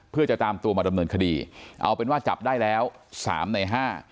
เพื่อจะตามตัวมาดำเนินคดีเอาเป็นว่าจับได้แล้วสามในห้า